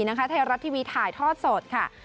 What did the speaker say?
ทะเยอรัตทีวีถ่ายทอดสดค่ะ